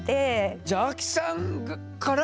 じゃあアキさんから？